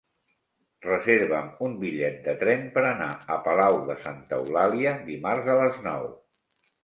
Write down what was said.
Reserva'm un bitllet de tren per anar a Palau de Santa Eulàlia dimarts a les nou.